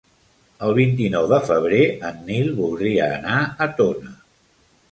El vint-i-nou de febrer en Nil voldria anar a Tona.